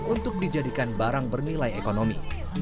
untuk dijadikan barang bernilai ekonomi